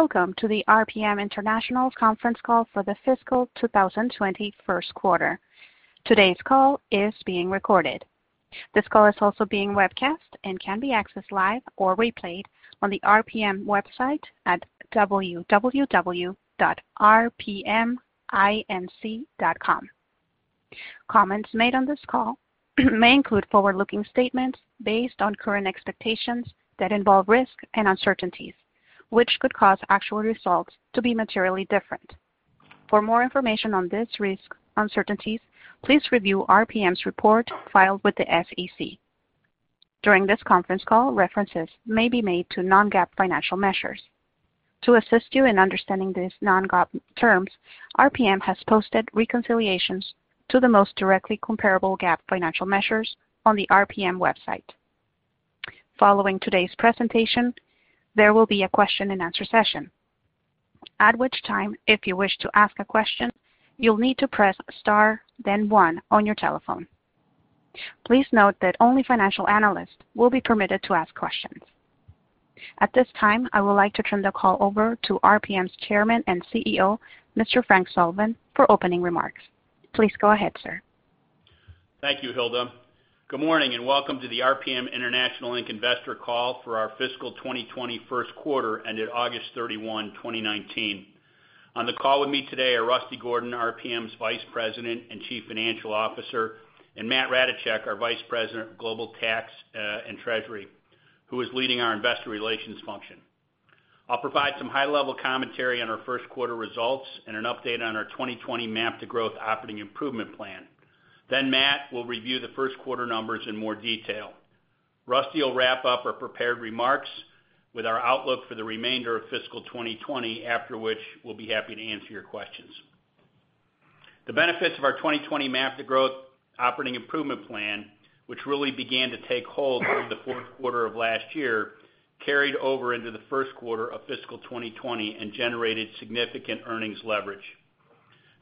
Welcome to the RPM International conference call for the fiscal 2020 first quarter. Today's call is being recorded. This call is also being webcast and can be accessed live or replayed on the RPM website at www.rpminc.com. Comments made on this call may include forward-looking statements based on current expectations that involve risks and uncertainties, which could cause actual results to be materially different. For more information on these risks, uncertainties, please review RPM's report filed with the SEC. During this conference call, references may be made to non-GAAP financial measures. To assist you in understanding these non-GAAP terms, RPM has posted reconciliations to the most directly comparable GAAP financial measures on the RPM website. Following today's presentation, there will be a question and answer session, at which time, if you wish to ask a question, you'll need to press star then one on your telephone. Please note that only financial analysts will be permitted to ask questions. At this time, I would like to turn the call over to RPM's Chairman and CEO, Mr. Frank Sullivan, for opening remarks. Please go ahead, sir. Thank you, Hilda. Good morning and welcome to the RPM International Inc. investor call for our fiscal 2020 first quarter ended August 31, 2019. On the call with me today are Rusty Gordon, RPM's Vice President and Chief Financial Officer, and Matt Ratajczak, our Vice President of Global Tax and Treasury, who is leading our investor relations function. I'll provide some high-level commentary on our first quarter results and an update on our 2020 MAP to Growth operating improvement plan. Matt will review the first quarter numbers in more detail. Rusty will wrap up our prepared remarks with our outlook for the remainder of fiscal 2020, after which we'll be happy to answer your questions. The benefits of our 2020 MAP to Growth operating improvement plan, which really began to take hold during the fourth quarter of last year, carried over into the first quarter of fiscal 2020 and generated significant earnings leverage.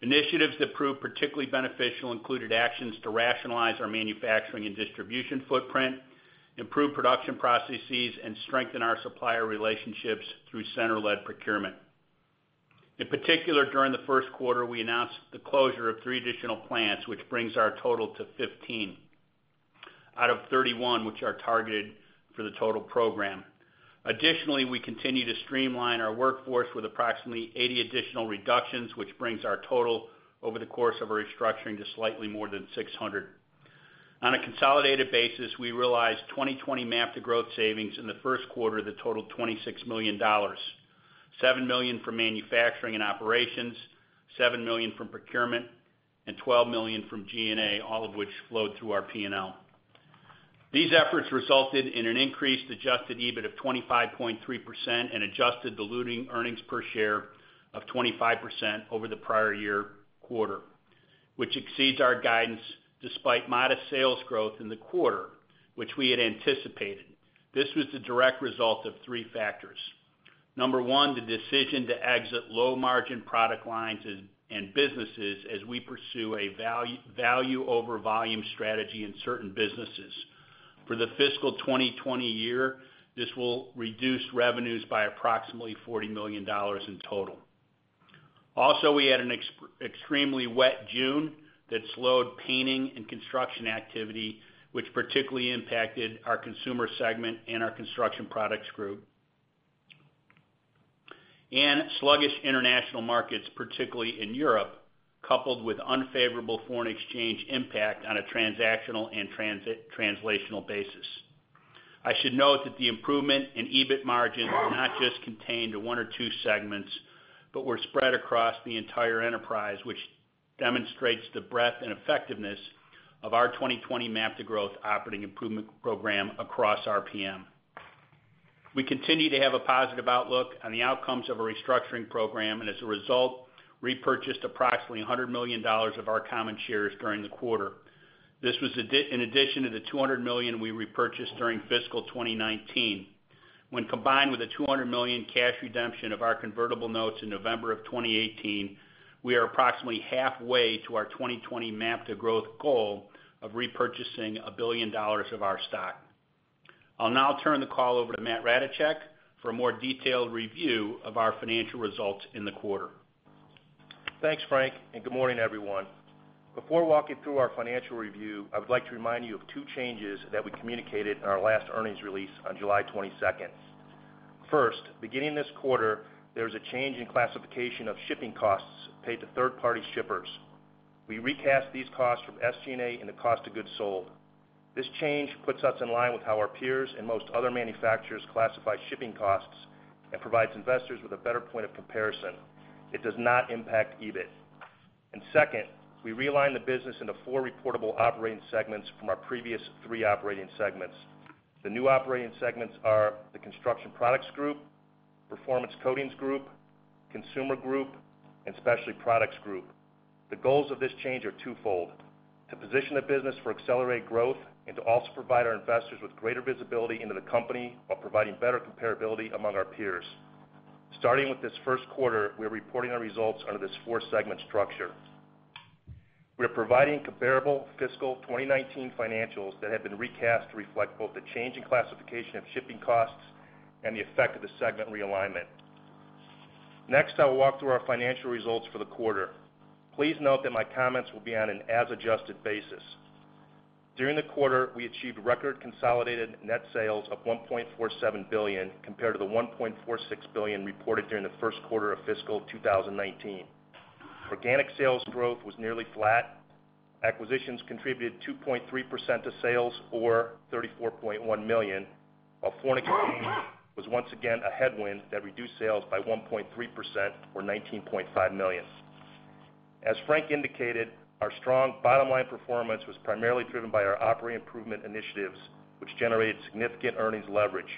Initiatives that proved particularly beneficial included actions to rationalize our manufacturing and distribution footprint, improve production processes, and strengthen our supplier relationships through center-led procurement. In particular, during the first quarter, we announced the closure of three additional plants, which brings our total to 15 out of 31, which are targeted for the total program. Additionally, we continue to streamline our workforce with approximately 80 additional reductions, which brings our total over the course of our restructuring to slightly more than 600. On a consolidated basis, we realized 2020 MAP to Growth savings in the first quarter that totaled $26 million. $7 million from manufacturing and operations, $7 million from procurement, and $12 million from G&A, all of which flowed through our P&L. These efforts resulted in an increased adjusted EBIT of 25.3% and adjusted diluting earnings per share of 25% over the prior year quarter, which exceeds our guidance despite modest sales growth in the quarter, which we had anticipated. This was the direct result of three factors. Number one, the decision to exit low-margin product lines and businesses as we pursue a value over volume strategy in certain businesses. For the fiscal 2020 year, this will reduce revenues by approximately $40 million in total. We had an extremely wet June that slowed painting and construction activity, which particularly impacted our Consumer Group and our Construction Products Group. Sluggish international markets, particularly in Europe, coupled with unfavorable foreign exchange impact on a transactional and translational basis. I should note that the improvement in EBIT margins were not just contained to one or two segments, but were spread across the entire enterprise, which demonstrates the breadth and effectiveness of our 2020 MAP to Growth operating improvement program across RPM. We continue to have a positive outlook on the outcomes of our restructuring program and as a result, repurchased approximately $100 million of our common shares during the quarter. This was in addition to the $200 million we repurchased during fiscal 2019. When combined with the $200 million cash redemption of our convertible notes in November of 2018, we are approximately halfway to our 2020 MAP to Growth goal of repurchasing $1 billion of our stock. I'll now turn the call over to Matt Ratajczak for a more detailed review of our financial results in the quarter. Thanks, Frank, good morning, everyone. Before walking through our financial review, I would like to remind you of two changes that we communicated in our last earnings release on July 22nd. First, beginning this quarter, there is a change in classification of shipping costs paid to third-party shippers. We recast these costs from SG&A in the cost of goods sold. This change puts us in line with how our peers and most other manufacturers classify shipping costs and provides investors with a better point of comparison. It does not impact EBIT. Second, we realigned the business into four reportable operating segments from our previous three operating segments. The new operating segments are the Construction Products Group, Performance Coatings Group, Consumer Group, and Specialty Products Group. The goals of this change are twofold: to position the business for accelerated growth and to also provide our investors with greater visibility into the company while providing better comparability among our peers. Starting with this first quarter, we are reporting our results under this four-segment structure. We are providing comparable fiscal 2019 financials that have been recast to reflect both the change in classification of shipping costs and the effect of the segment realignment. I will walk through our financial results for the quarter. Please note that my comments will be on an as-adjusted basis. During the quarter, we achieved record consolidated net sales of $1.47 billion, compared to the $1.46 billion reported during the first quarter of fiscal 2019. Organic sales growth was nearly flat. Acquisitions contributed 2.3% to sales or $34.1 million, while foreign exchange was once again a headwind that reduced sales by 1.3%, or $19.5 million. As Frank indicated, our strong bottom-line performance was primarily driven by our operating improvement initiatives, which generated significant earnings leverage.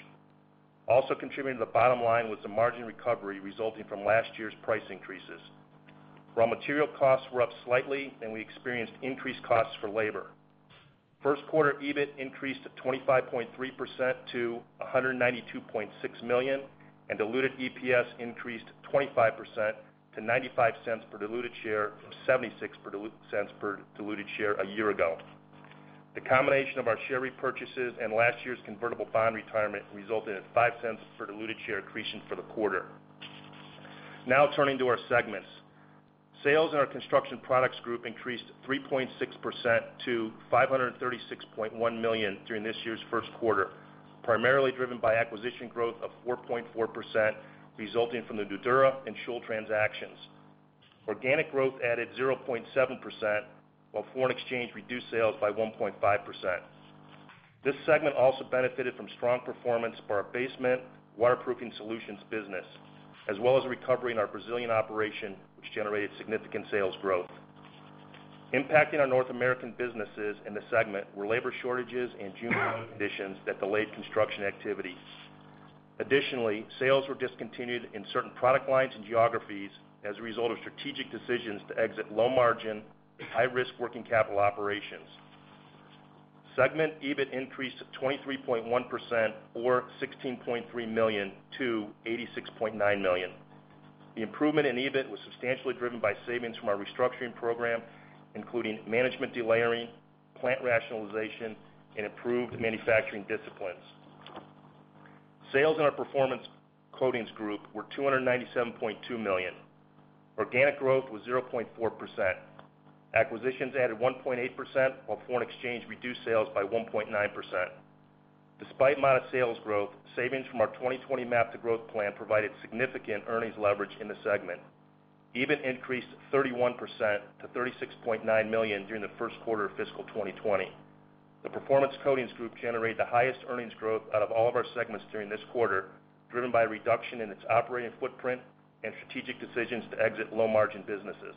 Contributing to the bottom line was the margin recovery resulting from last year's price increases. Raw material costs were up slightly. We experienced increased costs for labor. First quarter EBIT increased to 25.3% to $192.6 million. Diluted EPS increased 25% to $0.95 per diluted share from $0.76 per diluted share a year ago. The combination of our share repurchases and last year's convertible bond retirement resulted in $0.05 per diluted share accretion for the quarter. Turning to our segments. Sales in our Construction Products Group increased 3.6% to $536.1 million during this year's first quarter, primarily driven by acquisition growth of 4.4%, resulting from the Nudura and Schul transactions. Organic growth added 0.7%, while foreign exchange reduced sales by 1.5%. This segment also benefited from strong performance for our basement waterproofing solutions business, as well as a recovery in our Brazilian operation, which generated significant sales growth. Impacting our North American businesses in the segment were labor shortages and June weather conditions that delayed construction activity. Additionally, sales were discontinued in certain product lines and geographies as a result of strategic decisions to exit low-margin, high-risk working capital operations. Segment EBIT increased to 23.1%, or $16.3 million to $86.9 million. The improvement in EBIT was substantially driven by savings from our restructuring program, including management delayering, plant rationalization, and improved manufacturing disciplines. Sales in our Performance Coatings Group were $297.2 million. Organic growth was 0.4%. Acquisitions added 1.8%, while foreign exchange reduced sales by 1.9%. Despite modest sales growth, savings from our 2020 MAP to Growth plan provided significant earnings leverage in the segment. EBIT increased 31% to $36.9 million during the first quarter of fiscal 2020. The Performance Coatings Group generated the highest earnings growth out of all of our segments during this quarter, driven by a reduction in its operating footprint and strategic decisions to exit low-margin businesses.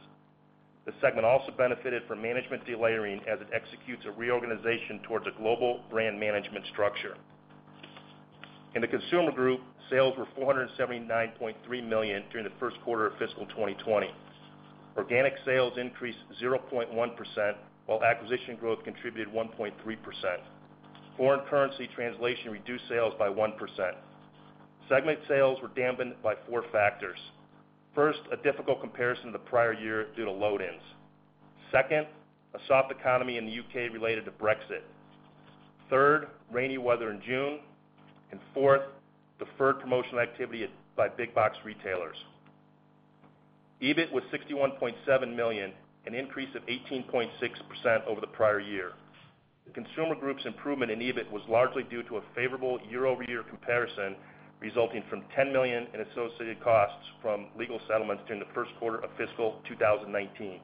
The segment also benefited from management delayering as it executes a reorganization towards a global brand management structure. In the Consumer Group, sales were $479.3 million during the first quarter of fiscal 2020. Organic sales increased 0.1%, while acquisition growth contributed 1.3%. Foreign currency translation reduced sales by 1%. Segment sales were dampened by four factors. First, a difficult comparison to the prior year due to load-ins. Second, a soft economy in the U.K. related to Brexit. Third, rainy weather in June. Fourth, deferred promotional activity by big box retailers. EBIT was $61.7 million, an increase of 18.6% over the prior year. The Consumer Group's improvement in EBIT was largely due to a favorable year-over-year comparison resulting from $10 million in associated costs from legal settlements during the first quarter of fiscal 2019.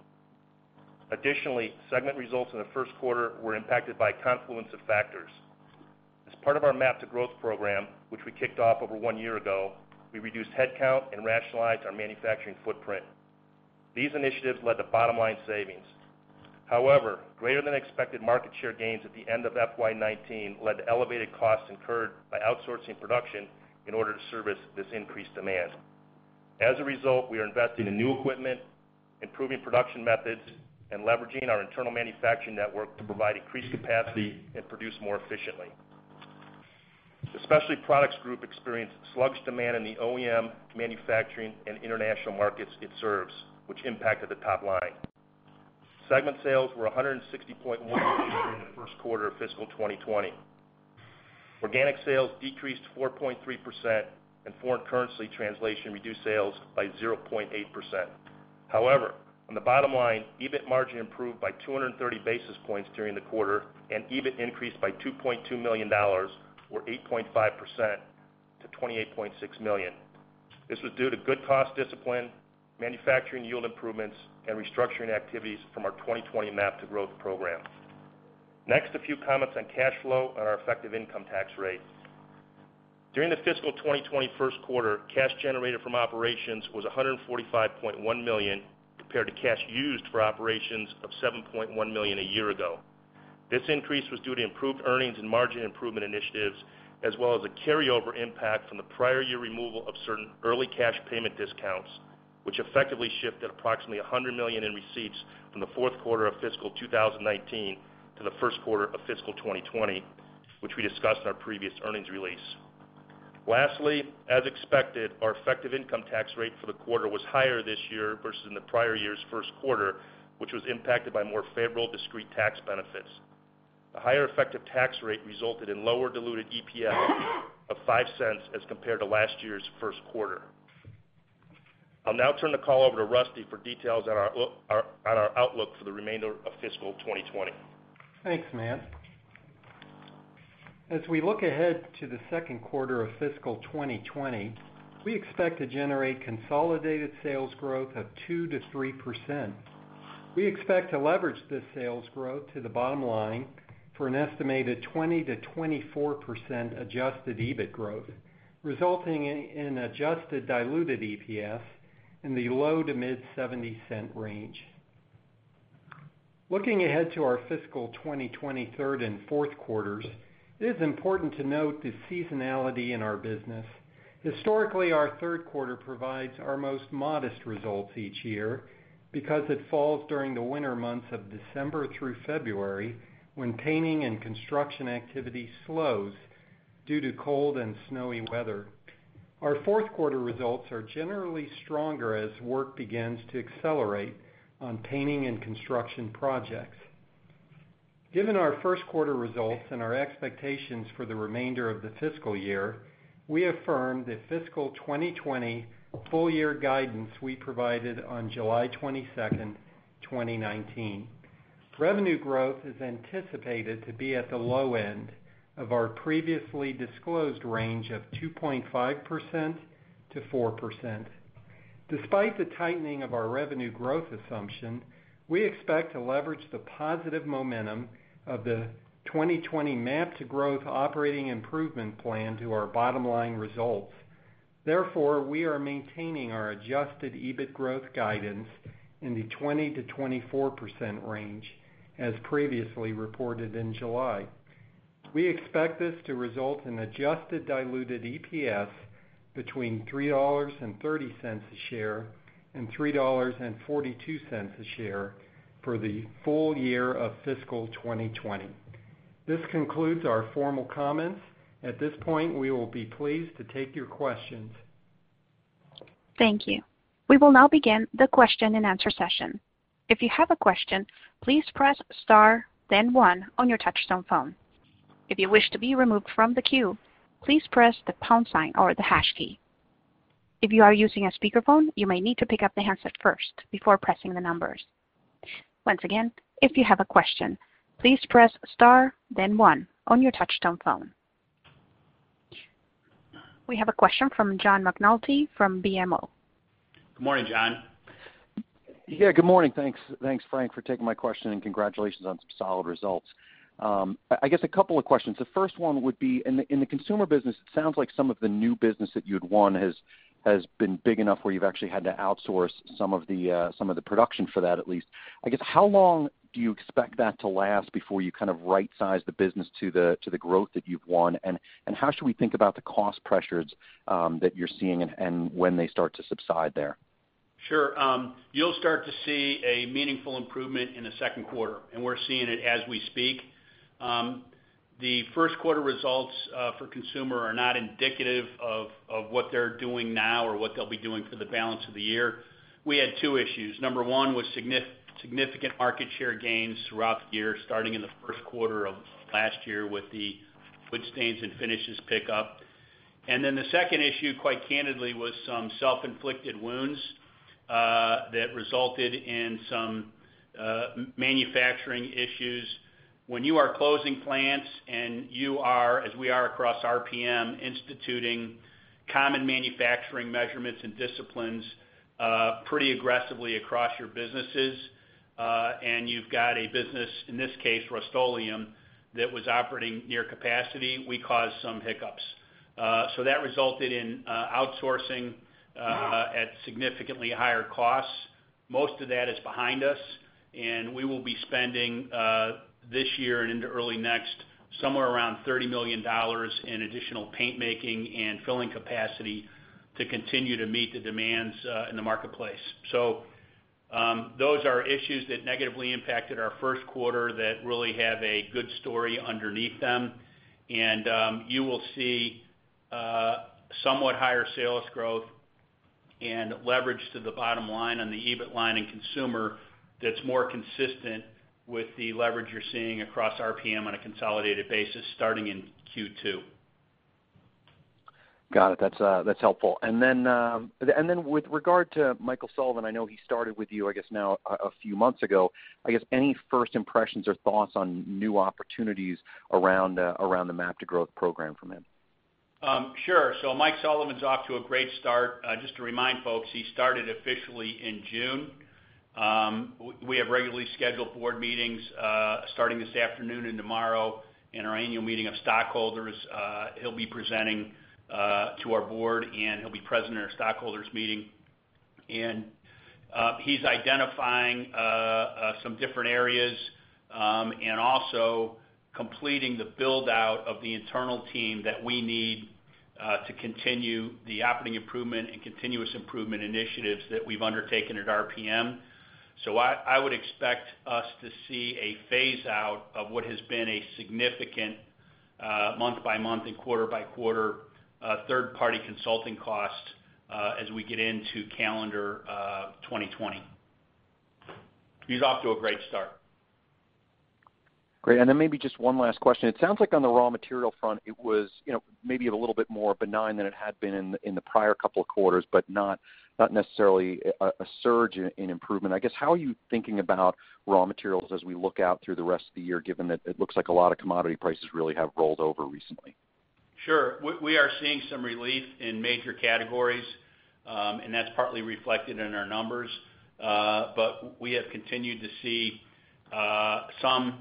Additionally, segment results in the first quarter were impacted by a confluence of factors. As part of our MAP to Growth program, which we kicked off over one year ago, we reduced headcount and rationalized our manufacturing footprint. These initiatives led to bottom-line savings. However, greater-than-expected market share gains at the end of FY 2019 led to elevated costs incurred by outsourcing production in order to service this increased demand. As a result, we are investing in new equipment, improving production methods, and leveraging our internal manufacturing network to provide increased capacity and produce more efficiently. The Specialty Products Group experienced sluggish demand in the OEM manufacturing and international markets it serves, which impacted the top line. Segment sales were $160.1 million during the first quarter of fiscal 2020. Organic sales decreased 4.3%, and foreign currency translation reduced sales by 0.8%. However, on the bottom line, EBIT margin improved by 230 basis points during the quarter, and EBIT increased by $2.2 million, or 8.5%, to $28.6 million. This was due to good cost discipline, manufacturing yield improvements, and restructuring activities from our 2020 MAP to Growth program. Next, a few comments on cash flow and our effective income tax rate. During the fiscal 2020 first quarter, cash generated from operations was $145.1 million, compared to cash used for operations of $7.1 million a year ago. This increase was due to improved earnings and margin improvement initiatives, as well as a carryover impact from the prior year removal of certain early cash payment discounts, which effectively shifted approximately $100 million in receipts from the fourth quarter of fiscal 2019 to the first quarter of fiscal 2020, which we discussed in our previous earnings release. Lastly, as expected, our effective income tax rate for the quarter was higher this year versus in the prior year's first quarter, which was impacted by more favorable discrete tax benefits. The higher effective tax rate resulted in lower diluted EPS of $0.05 as compared to last year's first quarter. I'll now turn the call over to Rusty for details on our outlook for the remainder of fiscal 2020. Thanks, Matt. As we look ahead to the second quarter of fiscal 2020, we expect to generate consolidated sales growth of 2%-3%. We expect to leverage this sales growth to the bottom line for an estimated 20%-24% adjusted EBIT growth, resulting in adjusted diluted EPS in the low to mid $0.70 range. Looking ahead to our fiscal 2020 third and fourth quarters, it is important to note the seasonality in our business. Historically, our third quarter provides our most modest results each year because it falls during the winter months of December through February, when painting and construction activity slows due to cold and snowy weather. Our fourth quarter results are generally stronger as work begins to accelerate on painting and construction projects. Given our first quarter results and our expectations for the remainder of the fiscal year, we affirm the fiscal 2020 full year guidance we provided on July 22nd, 2019. Revenue growth is anticipated to be at the low end of our previously disclosed range of 2.5%-4%. Despite the tightening of our revenue growth assumption, we expect to leverage the positive momentum of the 2020 MAP to Growth operating improvement plan to our bottom-line results. We are maintaining our adjusted EBIT growth guidance in the 20%-24% range as previously reported in July. We expect this to result in adjusted diluted EPS between $3.30 a share and $3.42 a share for the full year of fiscal 2020. This concludes our formal comments. At this point, we will be pleased to take your questions. Thank you. We will now begin the question and answer session. If you have a question, please press star then one on your touch tone phone. If you wish to be removed from the queue, please press the pound sign or the hash key. If you are using a speakerphone, you may need to pick up the handset first before pressing the numbers. Once again, if you have a question, please press star then one on your touch tone phone. We have a question from John McNulty from BMO. Good morning, John. Yeah, good morning. Thanks, Frank, for taking my question, and congratulations on some solid results. I guess a couple of questions. The first one would be in the Consumer Group, it sounds like some of the new business that you had won has been big enough where you've actually had to outsource some of the production for that at least. I guess how long do you expect that to last before you kind of right-size the business to the growth that you've won? How should we think about the cost pressures that you're seeing and when they start to subside there? Sure. You will start to see a meaningful improvement in the second quarter, and we are seeing it as we speak. The first quarter results for Consumer are not indicative of what they are doing now or what they will be doing for the balance of the year. We had two issues. Number one was significant market share gains throughout the year, starting in the first quarter of last year with the wood stains and finishes pickup. The second issue, quite candidly, was some self-inflicted wounds that resulted in some manufacturing issues. When you are closing plants and you are, as we are across RPM, instituting common manufacturing measurements and disciplines pretty aggressively across your businesses, and you have got a business, in this case, Rust-Oleum, that was operating near capacity, we caused some hiccups. That resulted in outsourcing at significantly higher costs. Most of that is behind us, and we will be spending, this year and into early next, somewhere around $30 million in additional paint making and filling capacity to continue to meet the demands in the marketplace. Those are issues that negatively impacted our first quarter that really have a good story underneath them. You will see somewhat higher sales growth and leverage to the bottom line on the EBIT line in Consumer that's more consistent with the leverage you're seeing across RPM on a consolidated basis starting in Q2. Got it. That's helpful. With regard to Michael Sullivan, I know he started with you, I guess, now a few months ago. I guess any first impressions or thoughts on new opportunities around the MAP to Growth program from him? Sure. Mike Sullivan's off to a great start. Just to remind folks, he started officially in June. We have regularly scheduled board meetings starting this afternoon and tomorrow in our annual meeting of stockholders. He'll be presenting to our board, and he'll be present in our stockholders meeting. He's identifying some different areas and also completing the build-out of the internal team that we need to continue the operating improvement and continuous improvement initiatives that we've undertaken at RPM. I would expect us to see a phase-out of what has been a significant month-by-month and quarter-by-quarter third-party consulting cost as we get into calendar 2020. He's off to a great start. Great. Maybe just one last question. It sounds like on the raw material front, it was maybe a little bit more benign than it had been in the prior couple of quarters, but not necessarily a surge in improvement. I guess, how are you thinking about raw materials as we look out through the rest of the year, given that it looks like a lot of commodity prices really have rolled over recently? Sure. We are seeing some relief in major categories, and that's partly reflected in our numbers. We have continued to see some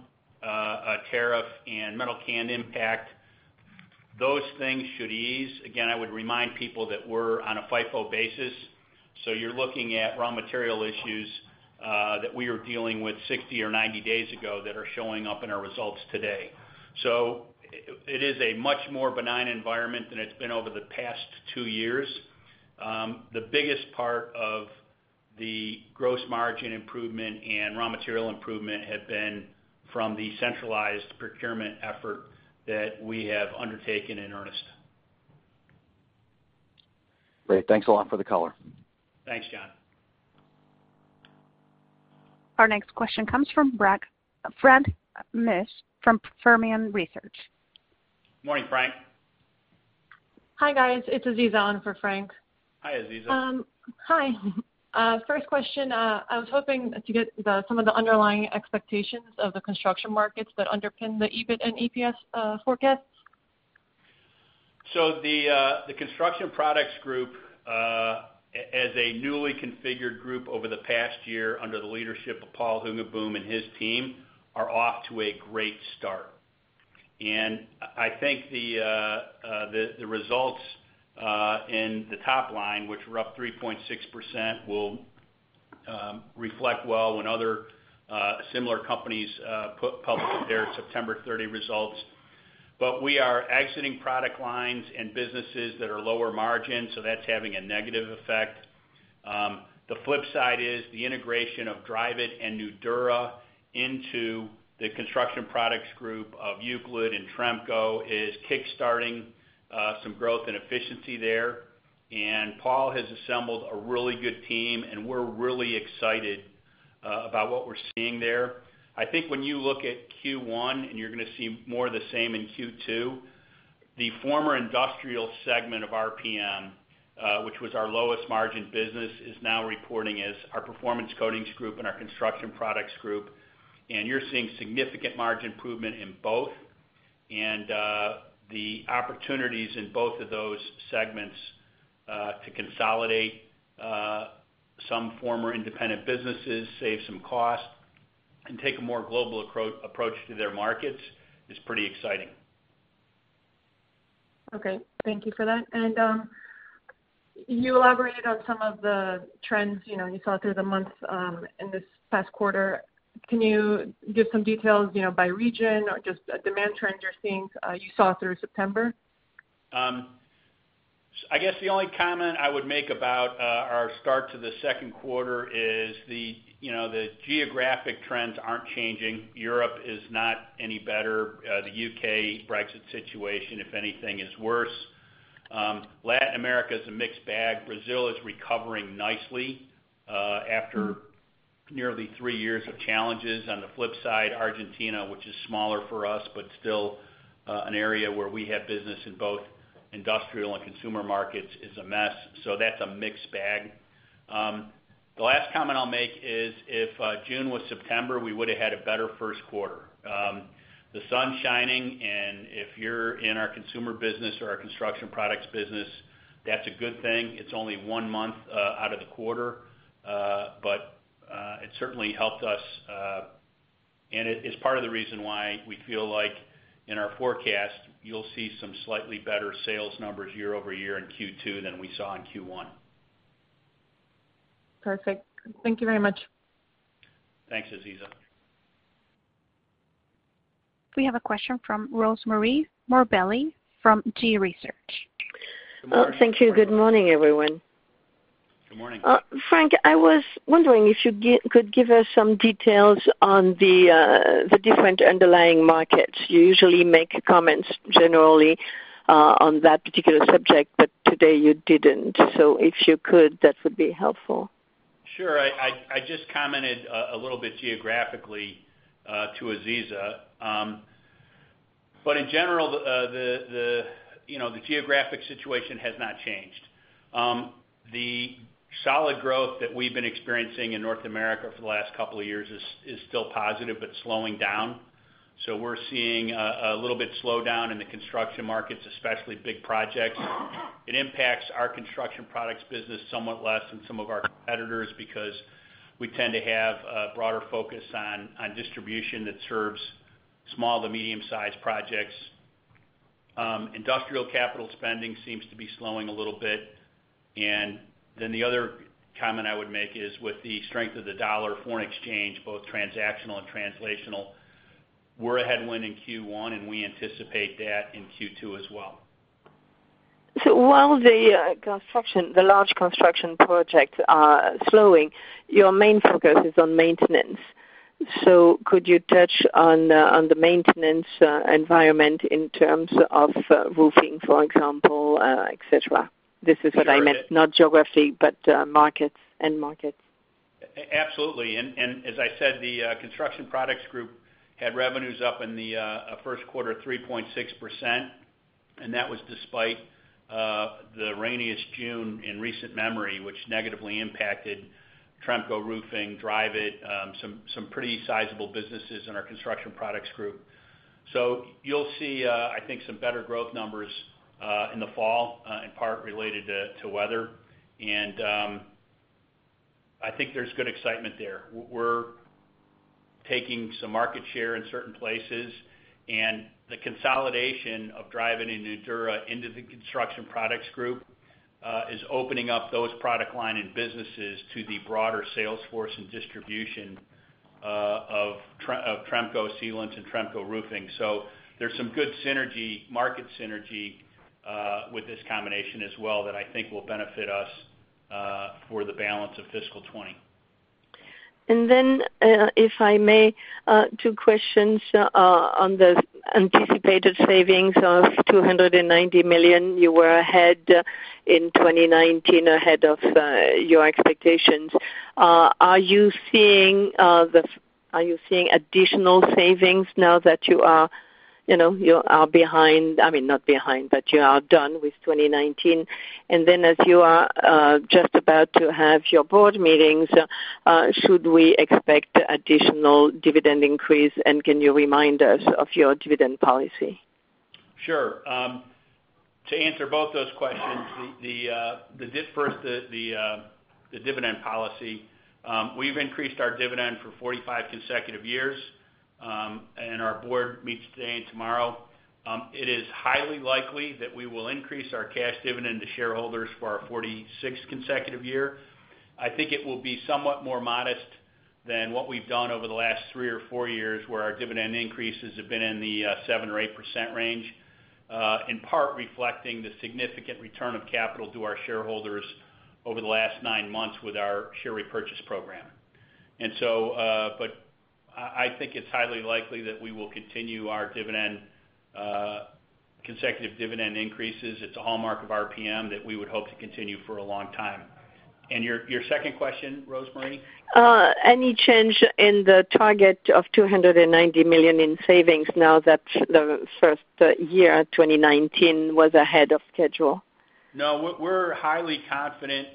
tariff and metal can impact. Those things should ease. Again, I would remind people that we're on a FIFO basis, so you're looking at raw material issues that we are dealing with 60 or 90 days ago that are showing up in our results today. It is a much more benign environment than it's been over the past two years. The biggest part of the gross margin improvement and raw material improvement have been from the centralized procurement effort that we have undertaken in earnest. Great. Thanks a lot for the color. Thanks, John. Our next question comes from Frank Mitsch from Fermium Research. Morning, Frank. Hi, guys. It's Aziza on for Frank. Hi, Aziza. Hi. First question. I was hoping to get some of the underlying expectations of the construction markets that underpin the EBIT and EPS forecasts. The Construction Products Group, as a newly configured group over the past year under the leadership of Paul Hoogenboom and his team, are off to a great start. I think the results in the top line, which were up 3.6%, will reflect well when other similar companies publish their September 30 results. We are exiting product lines and businesses that are lower margin, that's having a negative effect. The flip side is the integration of Dryvit and Nudura into the Construction Products Group of Euclid and Tremco is kickstarting some growth and efficiency there. Paul has assembled a really good team, and we're really excited about what we're seeing there. I think when you look at Q1, and you're going to see more of the same in Q2, the former industrial segment of RPM, which was our lowest margin business, is now reporting as our Performance Coatings Group and our Construction Products Group. You're seeing significant margin improvement in both. The opportunities in both of those segments to consolidate some former independent businesses, save some cost, and take a more global approach to their markets is pretty exciting. Okay. Thank you for that. You elaborated on some of the trends you saw through the month in this past quarter. Can you give some details by region or just demand trends you're seeing, you saw through September? I guess the only comment I would make about our start to the second quarter is the geographic trends aren't changing. Europe is not any better. The U.K. Brexit situation, if anything, is worse. Latin America is a mixed bag. Brazil is recovering nicely after nearly three years of challenges. On the flip side, Argentina, which is smaller for us, but still an area where we have business in both industrial and consumer markets, is a mess. That's a mixed bag. The last comment I'll make is if June was September, we would've had a better first quarter. The sun's shining, and if you're in our consumer business or our construction products business, that's a good thing. It's only one month out of the quarter. It certainly helped us, and it is part of the reason why we feel like in our forecast you'll see some slightly better sales numbers year-over-year in Q2 than we saw in Q1. Perfect. Thank you very much. Thanks, Aziza. We have a question from Rosemarie Morbelli from G. Research. Good morning. Thank you. Good morning, everyone. Good morning. Frank, I was wondering if you could give us some details on the different underlying markets. You usually make comments generally on that particular subject, but today you didn't. If you could, that would be helpful. Sure. I just commented a little bit geographically to Aziza. In general, the geographic situation has not changed. The solid growth that we've been experiencing in North America for the last couple of years is still positive, but slowing down. We're seeing a little bit slowdown in the construction markets, especially big projects. It impacts our construction products business somewhat less than some of our competitors because we tend to have a broader focus on distribution that serves small to medium-sized projects. Industrial capital spending seems to be slowing a little bit. The other comment I would make is with the strength of the dollar foreign exchange, both transactional and translational, we're a headwind in Q1, and we anticipate that in Q2 as well. While the large construction projects are slowing, your main focus is on maintenance. Could you touch on the maintenance environment in terms of roofing, for example, et cetera? This is what I meant, not geography, but end markets. Absolutely. As I said, the Construction Products Group had revenues up in the first quarter 3.6%, that was despite the rainiest June in recent memory, which negatively impacted Tremco Roofing, Dryvit, some pretty sizable businesses in our Construction Products Group. You'll see, I think, some better growth numbers in the fall, in part related to weather. I think there's good excitement there. We're taking some market share in certain places. The consolidation of Dryvit and Nudura into the Construction Products Group, is opening up those product line and businesses to the broader sales force and distribution of Tremco Sealants and Tremco Roofing. There's some good market synergy with this combination as well that I think will benefit us for the balance of fiscal 2020. If I may, two questions on the anticipated savings of $290 million. You were ahead in 2019, ahead of your expectations. Are you seeing additional savings now that you are, I mean, not behind, but you are done with 2019? As you are just about to have your board meetings, should we expect additional dividend increase, and can you remind us of your dividend policy? Sure. To answer both those questions, first the dividend policy. We've increased our dividend for 45 consecutive years. Our board meets today and tomorrow. It is highly likely that we will increase our cash dividend to shareholders for our 46th consecutive year. I think it will be somewhat more modest than what we've done over the last three or four years, where our dividend increases have been in the 7% or 8% range, in part reflecting the significant return of capital to our shareholders over the last nine months with our share repurchase program. I think it's highly likely that we will continue our consecutive dividend increases. It's a hallmark of RPM that we would hope to continue for a long time. Your second question, Rosemarie? Any change in the target of $290 million in savings now that the first year, 2019, was ahead of schedule? No. We're highly confident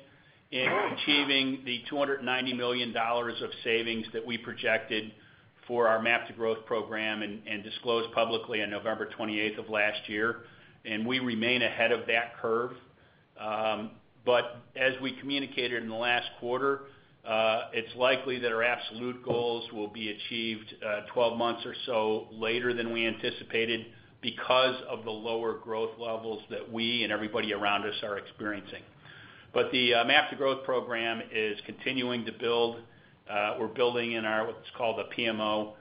in achieving the $290 million of savings that we projected for our MAP to Growth program and disclosed publicly on November 28th of last year. We remain ahead of that curve. As we communicated in the last quarter, it's likely that our absolute goals will be achieved 12 months or so later than we anticipated because of the lower growth levels that we and everybody around us are experiencing. The MAP to Growth program is continuing to build. We're building in our what's called a PMO,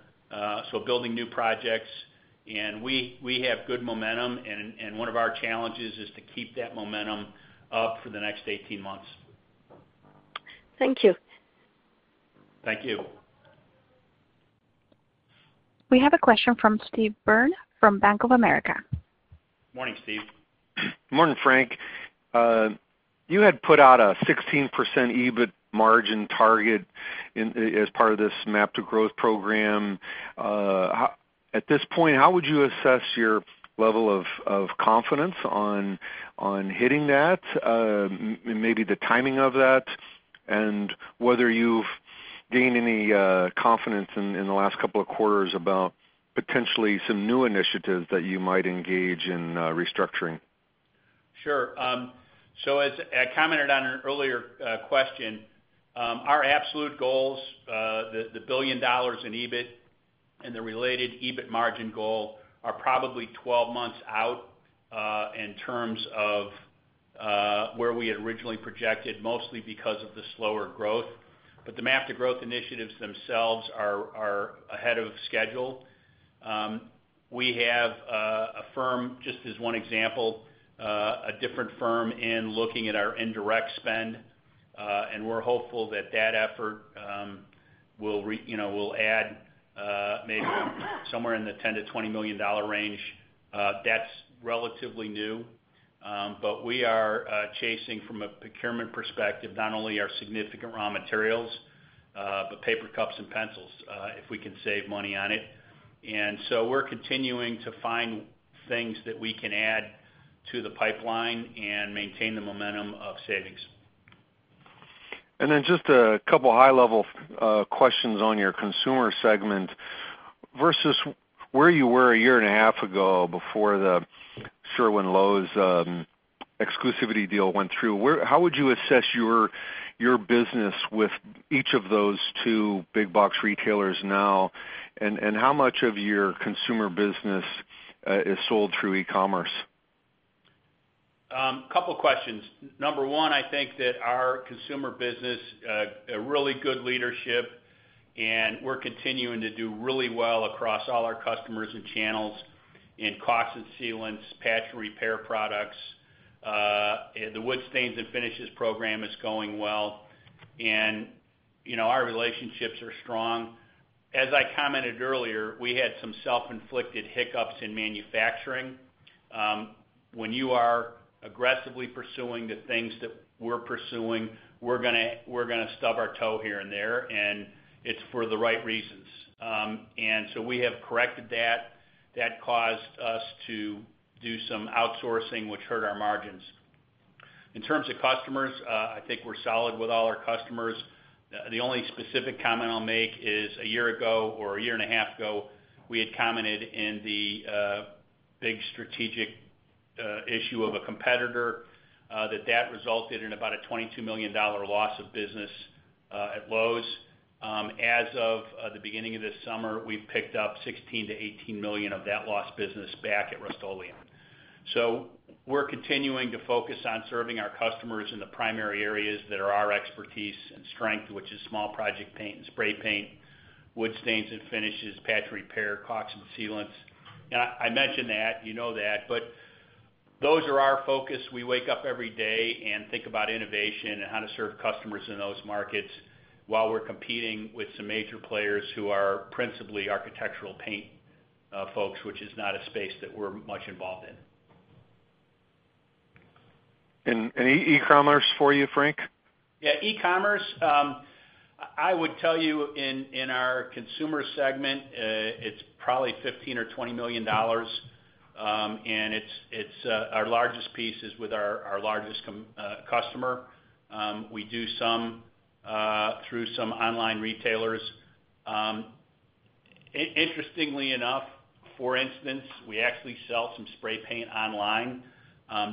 so building new projects. We have good momentum, and one of our challenges is to keep that momentum up for the next 18 months. Thank you. Thank you. We have a question from Steve Byrne from Bank of America. Morning, Steve. Morning, Frank. You had put out a 16% EBIT margin target as part of this MAP to Growth program. At this point, how would you assess your level of confidence on hitting that, maybe the timing of that, and whether you've gained any confidence in the last couple of quarters about potentially some new initiatives that you might engage in restructuring? Sure. As I commented on an earlier question, our absolute goals, the $1 billion in EBIT and the related EBIT margin goal, are probably 12 months out, in terms of where we had originally projected, mostly because of the slower growth. The MAP to Growth initiatives themselves are ahead of schedule. We have a firm, just as one example, a different firm in looking at our indirect spend. We're hopeful that effort will add maybe somewhere in the $10 million-$20 million range. That's relatively new. We are chasing from a procurement perspective, not only our significant raw materials, but paper cups and pencils, if we can save money on it. We're continuing to find things that we can add to the pipeline and maintain the momentum of savings. Then just a couple high level questions on your Consumer Group. Versus where you were a year and a half ago before the Sherwin-Williams Lowe's exclusivity deal went through, how would you assess your business with each of those two big box retailers now, and how much of your Consumer Group is sold through e-commerce? Couple questions. Number one, I think that our Consumer Group, really good leadership. We're continuing to do really well across all our customers and channels in caulk and sealants, patch and repair products. The wood stains and finishes program is going well. Our relationships are strong. As I commented earlier, we had some self-inflicted hiccups in manufacturing. When you are aggressively pursuing the things that we're pursuing, we're going to stub our toe here and there, and it's for the right reasons. We have corrected that. That caused us to do some outsourcing, which hurt our margins. In terms of customers, I think we're solid with all our customers. The only specific comment I'll make is a year ago, or a year and a half ago, we had commented in the big strategic issue of a competitor, that resulted in about a $22 million loss of business at Lowe's. As of the beginning of this summer, we've picked up $16 million-$18 million of that lost business back at Rust-Oleum. We're continuing to focus on serving our customers in the primary areas that are our expertise and strength, which is small project paint and spray paint, wood stains and finishes, patch and repair, caulks and sealants. I mentioned that, you know that, but those are our focus. We wake up every day and think about innovation and how to serve customers in those markets while we're competing with some major players who are principally architectural paint folks, which is not a space that we're much involved in. Any e-commerce for you, Frank? Yeah, e-commerce. I would tell you in our Consumer Segment, it's probably $15 or $20 million, and our largest piece is with our largest customer. We do some through some online retailers. Interestingly enough, for instance, we actually sell some spray paint online.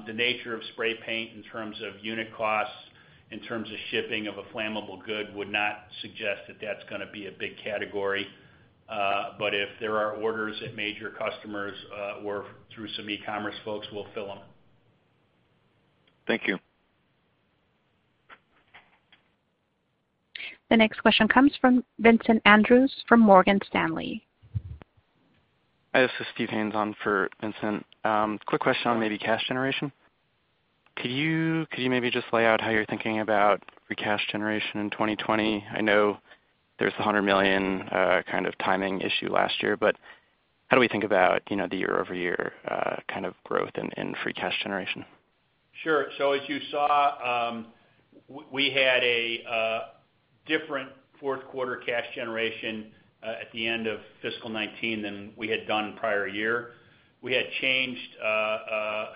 The nature of spray paint in terms of unit costs, in terms of shipping of a flammable good would not suggest that's going to be a big category. If there are orders at major customers, or through some e-commerce folks, we'll fill them. Thank you. The next question comes from Vincent Andrews from Morgan Stanley. Hi, this is Steven Haynes on for Vincent. Quick question on maybe cash generation. Could you maybe just lay out how you're thinking about free cash generation in 2020? I know there's the $100 million kind of timing issue last year, but how do we think about the year-over-year kind of growth in free cash generation? Sure. As you saw, we had a different fourth quarter cash generation at the end of fiscal 2019 than we had done the prior year. We had changed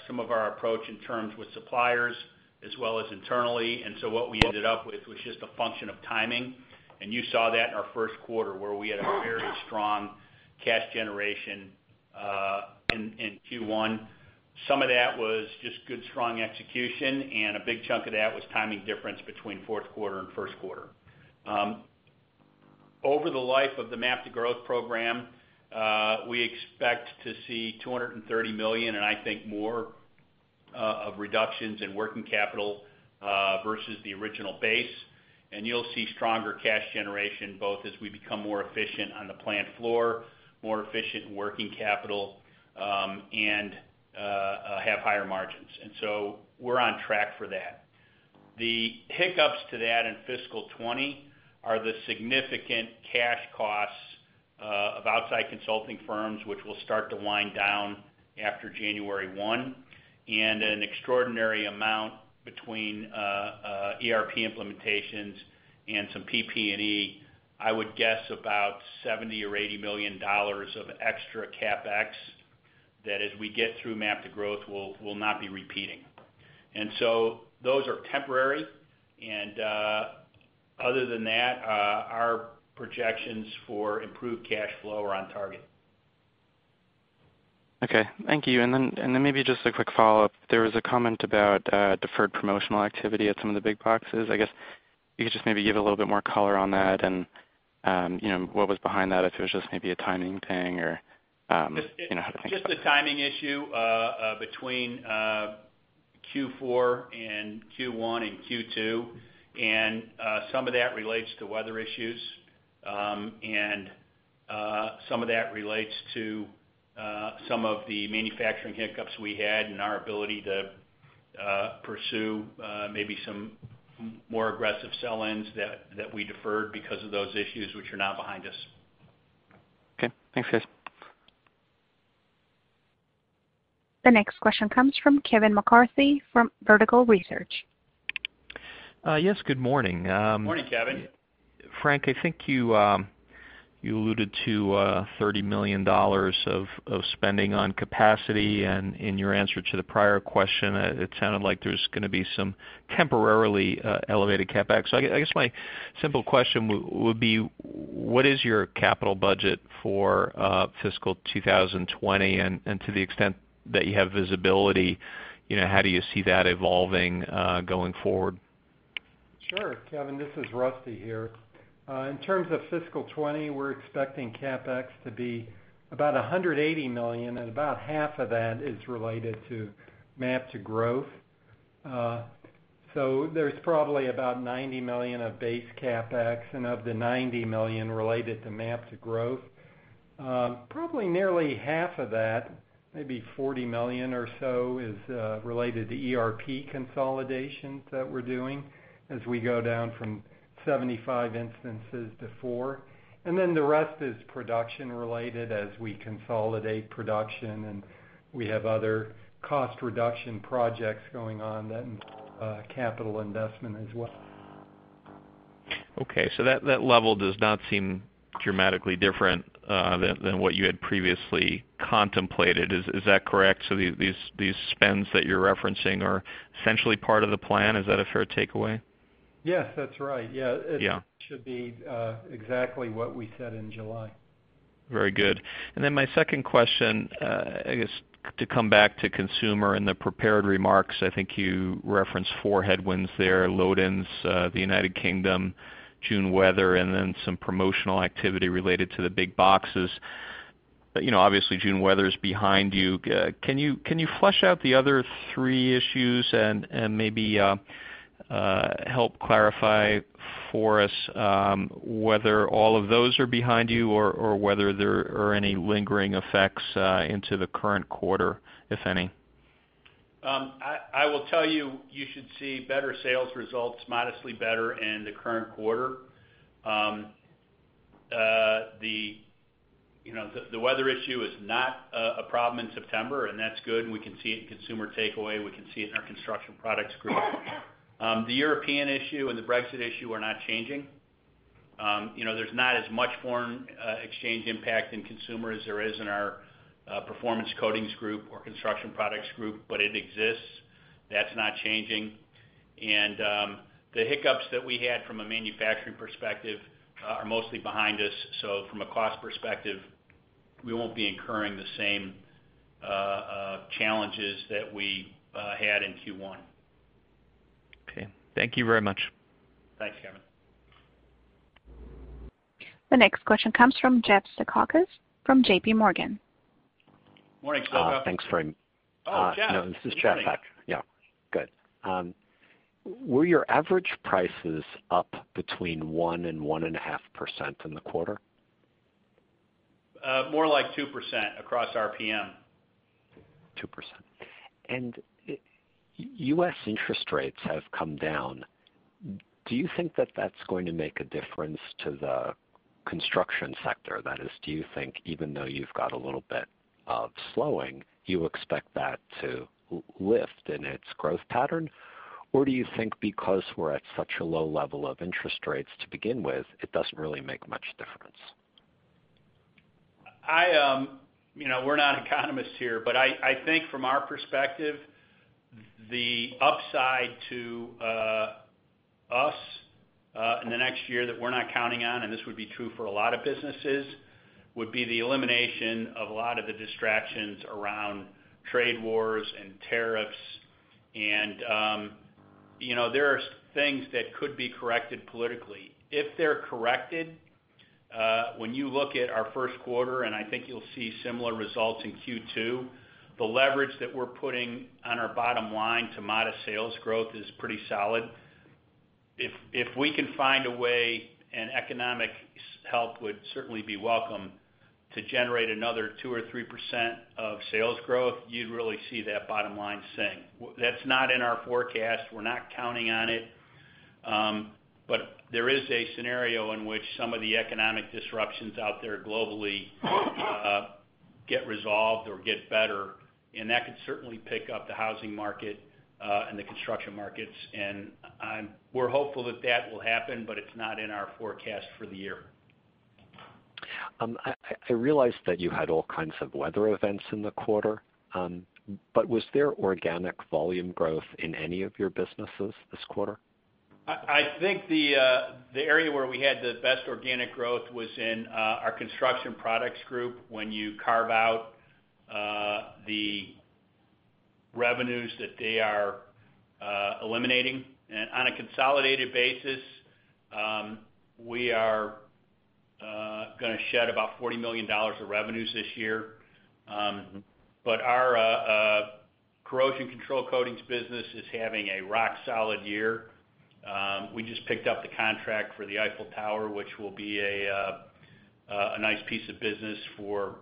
some of our approach in terms with suppliers as well as internally, what we ended up with was just a function of timing, you saw that in our first quarter, where we had a very strong cash generation in Q1. Some of that was just good, strong execution, a big chunk of that was timing difference between fourth quarter and first quarter. Over the life of the MAP to Growth program, we expect to see $230 million, and I think more, of reductions in working capital, versus the original base. You'll see stronger cash generation, both as we become more efficient on the plant floor, more efficient in working capital, and have higher margins. We're on track for that. The hiccups to that in fiscal 2020 are the significant cash costs of outside consulting firms, which will start to wind down after January 1, and an extraordinary amount between ERP implementations and some PP&E. I would guess about $70 or $80 million of extra CapEx, that as we get through MAP to Growth, will not be repeating. Those are temporary, and other than that, our projections for improved cash flow are on target. Okay. Thank you. Maybe just a quick follow-up. There was a comment about deferred promotional activity at some of the big boxes. I guess, if you could just maybe give a little bit more color on that and what was behind that, if it was just maybe a timing thing or how to think about it. Just a timing issue between Q4 and Q1 and Q2, and some of that relates to weather issues, and some of that relates to some of the manufacturing hiccups we had and our ability to pursue maybe some more aggressive sell-ins that we deferred because of those issues, which are now behind us. Okay. Thanks, guys. The next question comes from Kevin McCarthy from Vertical Research. Yes, good morning. Morning, Kevin. Frank, I think you alluded to $30 million of spending on capacity. In your answer to the prior question, it sounded like there's going to be some temporarily elevated CapEx. I guess my simple question would be: What is your capital budget for fiscal 2020? To the extent that you have visibility, how do you see that evolving going forward? Sure, Kevin, this is Rusty here. In terms of fiscal 2020, we're expecting CapEx to be about $180 million, about half of that is related to MAP to Growth. There's probably about $90 million of base CapEx, and of the $90 million related to MAP to Growth, probably nearly half of that, maybe $40 million or so, is related to ERP consolidations that we're doing as we go down from 75 instances to four. The rest is production-related as we consolidate production, and we have other cost reduction projects going on that capital investment as well. Okay, that level does not seem dramatically different than what you had previously contemplated. Is that correct? These spends that you're referencing are essentially part of the plan. Is that a fair takeaway? Yes, that's right. Yeah. Yeah. It should be exactly what we said in July. Very good. My second question, I guess to come back to Consumer. In the prepared remarks, I think you referenced four headwinds there, load-ins, the U.K., June weather, and then some promotional activity related to the big boxes. Obviously, June weather is behind you. Can you flesh out the other three issues and maybe help clarify for us whether all of those are behind you or whether there are any lingering effects into the current quarter, if any? I will tell you should see better sales results, modestly better in the current quarter. The weather issue is not a problem in September. That's good. We can see it in consumer takeaway. We can see it in our Construction Products Group. The European issue and the Brexit issue are not changing. There's not as much foreign exchange impact in consumer as there is in our Performance Coatings Group or Construction Products Group. It exists. That's not changing. The hiccups that we had from a manufacturing perspective are mostly behind us. From a cost perspective, we won't be incurring the same challenges that we had in Q1. Okay. Thank you very much. Thanks, Kevin. The next question comes from Jeff Zekauskas from JPMorgan. Morning, Jeff. Thanks for- Oh, Jeff. Good morning. No, this is Jeff Peck. Yeah, good. Were your average prices up between 1% and 1.5% in the quarter? More like 2% across RPM. 2%. U.S. interest rates have come down. Do you think that that's going to make a difference to the construction sector? That is, do you think even though you've got a little bit of slowing, you expect that to lift in its growth pattern? Do you think because we're at such a low level of interest rates to begin with, it doesn't really make much difference? We're not economists here, but I think from our perspective, the upside to us in the next year that we're not counting on, and this would be true for a lot of businesses, would be the elimination of a lot of the distractions around trade wars and tariffs, and there are things that could be corrected politically. If they're corrected, when you look at our first quarter, and I think you'll see similar results in Q2, the leverage that we're putting on our bottom line to modest sales growth is pretty solid. If we can find a way, and economic help would certainly be welcome to generate another 2% or 3% of sales growth, you'd really see that bottom line sing. That's not in our forecast. We're not counting on it. There is a scenario in which some of the economic disruptions out there globally get resolved or get better, and that could certainly pick up the housing market and the construction markets. We're hopeful that that will happen, but it's not in our forecast for the year. I realized that you had all kinds of weather events in the quarter, but was there organic volume growth in any of your businesses this quarter? I think the area where we had the best organic growth was in our Construction Products Group when you carve out the revenues that they are eliminating. On a consolidated basis, we are going to shed about $40 million of revenues this year. Our Corrosion Control Coatings business is having a rock solid year. We just picked up the contract for the Eiffel Tower, which will be a nice piece of business for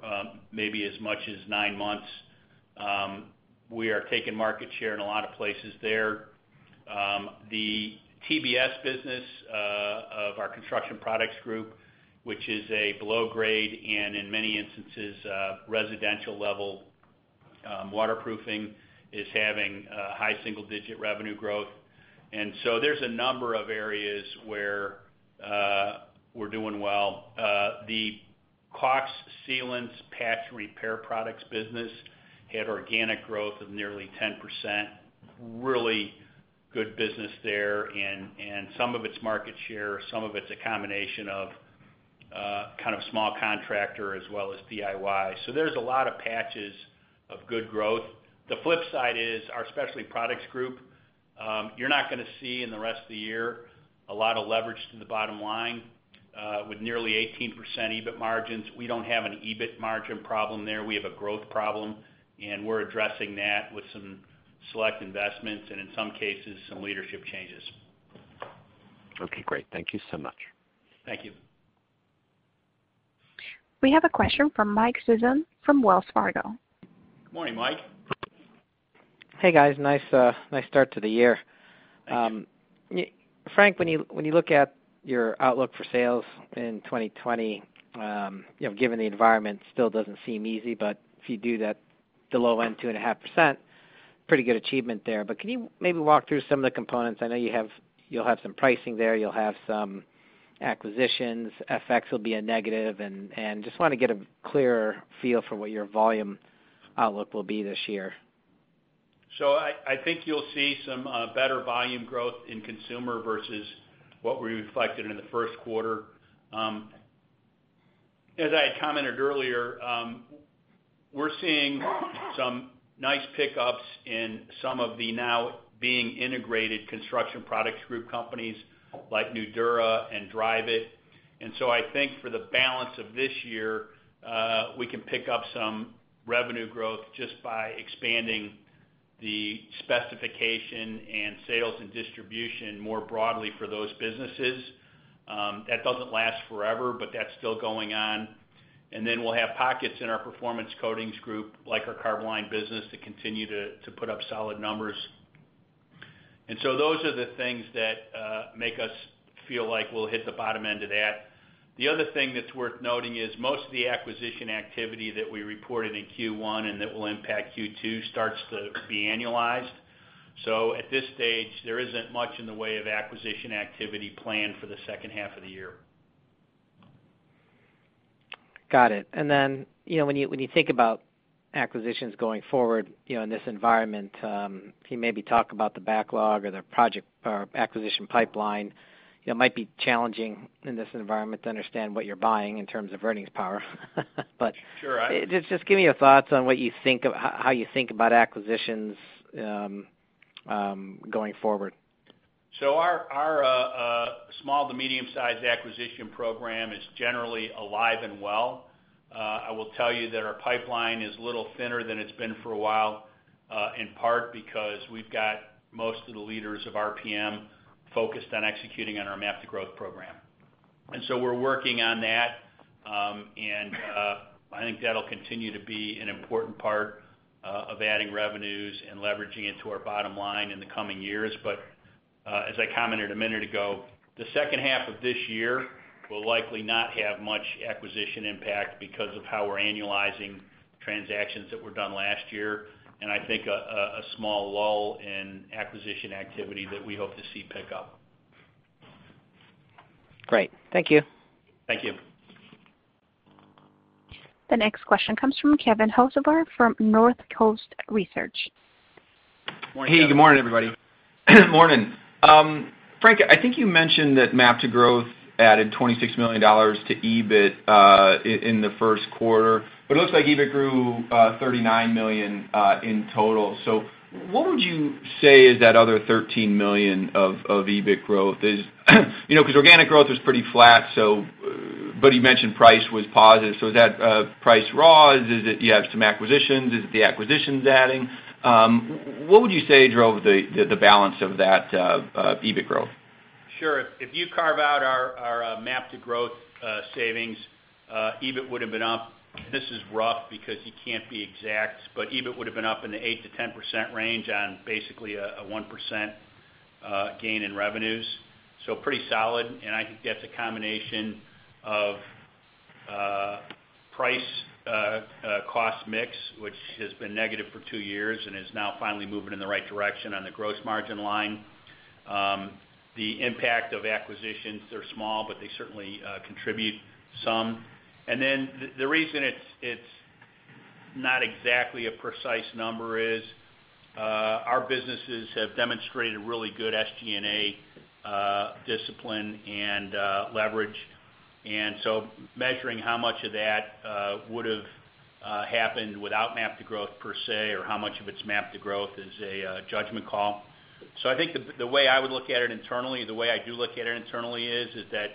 maybe as much as nine months. We are taking market share in a lot of places there. The TBS business of our Construction Products Group, which is a below grade, and in many instances, residential-level waterproofing, is having high single-digit revenue growth. There's a number of areas where we're doing well. The Cox Sealants patch repair products business had organic growth of nearly 10%. Really good business there, and some of it's market share, some of it's a combination of kind of small contractor as well as DIY. There's a lot of patches of good growth. The flip side is our Specialty Products Group. You're not going to see in the rest of the year a lot of leverage to the bottom line. With nearly 18% EBIT margins, we don't have an EBIT margin problem there. We have a growth problem, and we're addressing that with some select investments and in some cases, some leadership changes. Okay, great. Thank you so much. Thank you. We have a question from Mike Sison from Wells Fargo. Good morning, Mike. Hey, guys. Nice start to the year. Thank you. Frank, when you look at your outlook for sales in 2020, given the environment, still doesn't seem easy, but if you do that, the low end, 2.5%, pretty good achievement there. Can you maybe walk through some of the components? I know you'll have some pricing there. You'll have some acquisitions, effects will be a negative, just want to get a clearer feel for what your volume outlook will be this year. I think you'll see some better volume growth in Consumer versus what we reflected in the first quarter. As I had commented earlier, we're seeing some nice pick-ups in some of the now being integrated Construction Products Group companies like Nudura and Dryvit. I think for the balance of this year, we can pick up some revenue growth just by expanding the specification and sales and distribution more broadly for those businesses. That doesn't last forever, but that's still going on. Then we'll have pockets in our Performance Coatings Group, like our Carboline business, to continue to put up solid numbers. Those are the things that make us feel like we'll hit the bottom end of that. The other thing that's worth noting is most of the acquisition activity that we reported in Q1 and that will impact Q2 starts to be annualized. At this stage, there isn't much in the way of acquisition activity planned for the second half of the year. Got it. When you think about acquisitions going forward, in this environment, can you maybe talk about the backlog or the acquisition pipeline? It might be challenging in this environment to understand what you're buying in terms of earnings power. Sure just give me your thoughts on how you think about acquisitions going forward. Our small to medium-sized acquisition program is generally alive and well. I will tell you that our pipeline is a little thinner than it's been for a while, in part because we've got most of the leaders of RPM focused on executing on our MAP to Growth program. We're working on that. I think that'll continue to be an important part of adding revenues and leveraging it to our bottom line in the coming years. As I commented a minute ago, the second half of this year will likely not have much acquisition impact because of how we're annualizing transactions that were done last year. I think a small lull in acquisition activity that we hope to see pick up. Great. Thank you. Thank you. The next question comes from Kevin Hocevar from Northcoast Research. Morning, Kevin. Hey, good morning, everybody. Morning. Frank, I think you mentioned that MAP to Growth added $26 million to EBIT in the first quarter, it looks like EBIT grew $39 million in total. What would you say is that other $13 million of EBIT growth is? Organic growth was pretty flat, but you mentioned price was positive, is that price raw? Is it you have some acquisitions? Is it the acquisitions adding? What would you say drove the balance of that EBIT growth? Sure. If you carve out our MAP to Growth savings, EBIT would've been up. This is rough because you can't be exact, EBIT would've been up in the 8%-10% range on basically a 1% gain in revenues. Pretty solid, I think that's a combination of price cost mix, which has been negative for two years and is now finally moving in the right direction on the gross margin line. The impact of acquisitions are small, they certainly contribute some. The reason it's not exactly a precise number is our businesses have demonstrated really good SG&A discipline and leverage. Measuring how much of that would've happened without MAP to Growth per se, or how much of it's MAP to Growth is a judgment call. I think the way I would look at it internally, the way I do look at it internally is that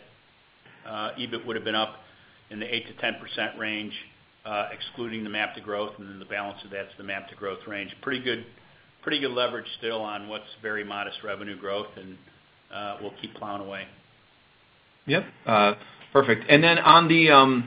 EBIT would've been up in the 8%-10% range, excluding the MAP to Growth, and then the balance of that's the MAP to Growth range. Pretty good leverage still on what's very modest revenue growth, and we'll keep plowing away. Yep. Perfect. On the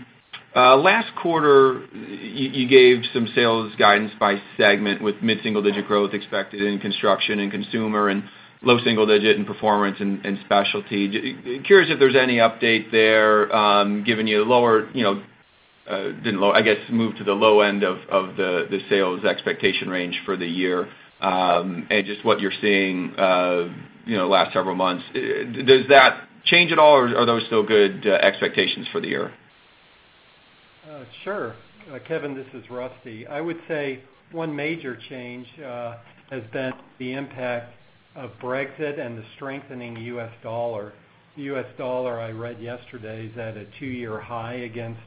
last quarter, you gave some sales guidance by segment with mid-single digit growth expected in construction and consumer and low single digit in performance and specialty. Curious if there's any update there, given you moved to the low end of the sales expectation range for the year. Just what you're seeing last several months. Does that change at all, or are those still good expectations for the year? Sure. Kevin, this is Rusty. I would say one major change has been the impact of Brexit and the strengthening US dollar. US dollar, I read yesterday, is at a two-year high against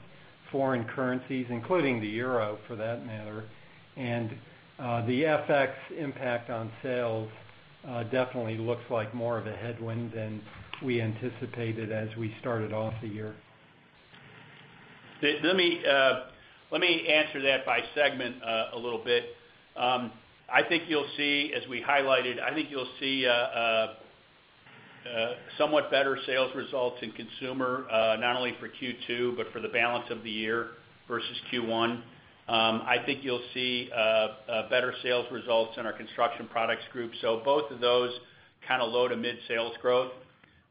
foreign currencies, including the euro for that matter. The FX impact on sales definitely looks like more of a headwind than we anticipated as we started off the year. Let me answer that by segment a little bit. I think you'll see, as we highlighted, somewhat better sales results in Consumer, not only for Q2, but for the balance of the year versus Q1. I think you'll see better sales results in our Construction Products Group. Both of those kind of low to mid sales growth.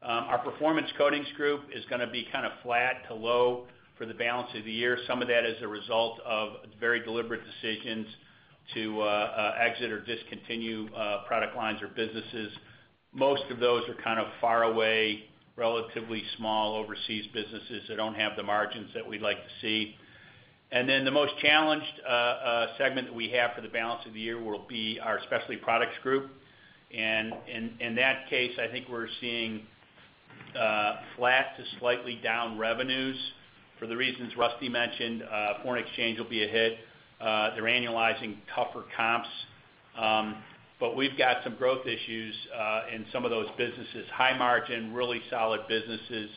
Our Performance Coatings Group is going to be kind of flat to low for the balance of the year. Some of that is a result of very deliberate decisions to exit or discontinue product lines or businesses. Most of those are kind of far away, relatively small overseas businesses that don't have the margins that we'd like to see. The most challenged segment that we have for the balance of the year will be our Specialty Products Group. In that case, I think we're seeing flat to slightly down revenues for the reasons Rusty mentioned. Foreign exchange will be a hit. They're annualizing tougher comps. We've got some growth issues in some of those businesses. High margin, really solid businesses.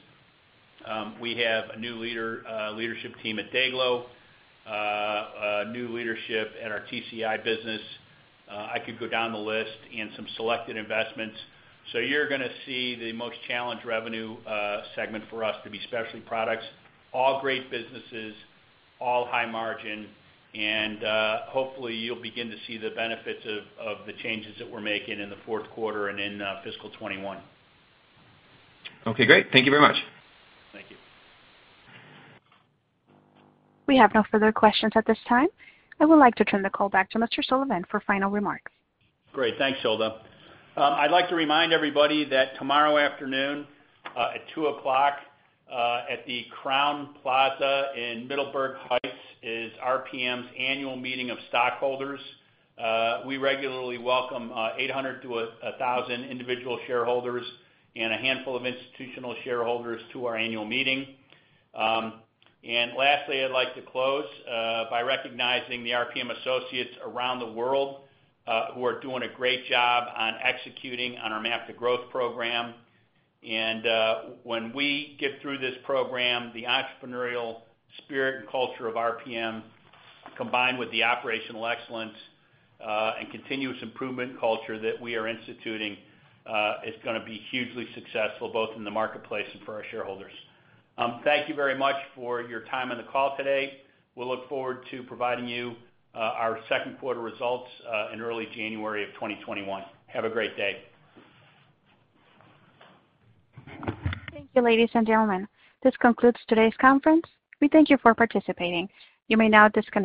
We have a new leadership team at DayGlo, new leadership at our TCI business. I could go down the list and some selected investments. You're going to see the most challenged revenue segment for us to be Specialty Products, all great businesses, all high margin, and hopefully you'll begin to see the benefits of the changes that we're making in the fourth quarter and in fiscal 2021. Okay, great. Thank you very much. Thank you. We have no further questions at this time. I would like to turn the call back to Mr. Sullivan for final remarks. Great. Thanks, Hilda. I'd like to remind everybody that tomorrow afternoon at 2:00 P.M. at the Crowne Plaza in Middleburg Heights is RPM's annual meeting of stockholders. We regularly welcome 800 to 1,000 individual shareholders and a handful of institutional shareholders to our annual meeting. Lastly, I'd like to close by recognizing the RPM associates around the world, who are doing a great job on executing on our MAP to Growth program. When we get through this program, the entrepreneurial spirit and culture of RPM, combined with the operational excellence and continuous improvement culture that we are instituting is going to be hugely successful, both in the marketplace and for our shareholders. Thank you very much for your time on the call today. We'll look forward to providing you our second quarter results in early January of 2021. Have a great day. Thank you, ladies and gentlemen. This concludes today's conference. We thank you for participating. You may now disconnect.